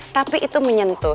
tapi itu menyentuh